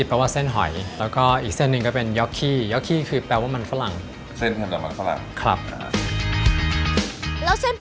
ในความเราก็เป็นแปลกตั้งแต่ต้นละ